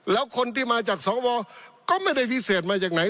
แล้วคนที่มาจากสองวอร์ก็ไม่ได้วิเศษมาอย่างไหน